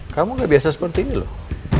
kamu gak biasa seperti ini loh